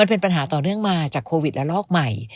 เป็นปัญหาต่อเนื่องมาจากโควิดและลอกใหม่